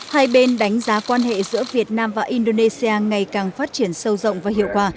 hai bên đánh giá quan hệ giữa việt nam và indonesia ngày càng phát triển sâu rộng và hiệu quả